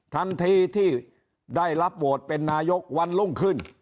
ทันทีที่ได้รับโหวตเป็นนายกวันรุ่งขึ้น